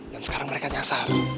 dan sekarang mereka nyasar